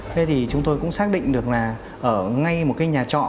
thế thì chúng tôi cũng xác định được là ở ngay một cái nhà trọ